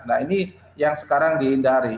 nah ini yang sekarang dihindari